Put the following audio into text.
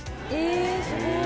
「ええすごい！」